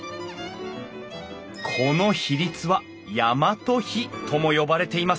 この比率は大和比とも呼ばれています。